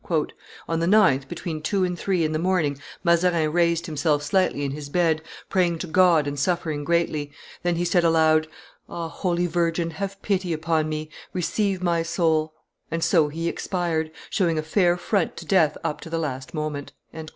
"On the 9th, between two and three in the morning, Mazarin raised himself slightly in his bed, praying to God and suffering greatly; then he said aloud, 'Ah holy Virgin, have pity upon me; receive my soul,' and so he expired, showing a fair front to death up to the last moment."